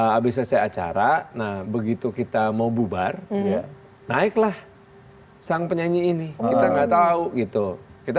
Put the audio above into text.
habis selesai acara nah begitu kita mau bubar ya naiklah sang penyanyi ini kita nggak tahu gitu kita